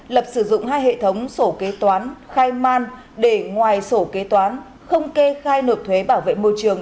lập sử dụng hai hệ thống sổ kế toán khai man để ngoài sổ kế toán không kê khai nộp thuế bảo vệ môi trường